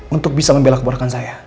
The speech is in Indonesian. untuk bisa membela keborakan saya